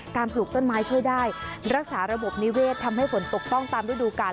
ปลูกต้นไม้ช่วยได้รักษาระบบนิเวศทำให้ฝนตกต้องตามฤดูกาล